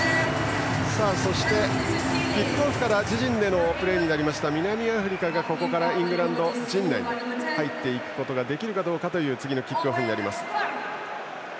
そして、キックオフから自陣でのプレーになりました南アフリカがここからイングランド陣内に入っていけるかという次のキックオフになります。